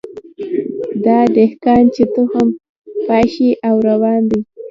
دا دهقان چي تخم پاشي او روان دی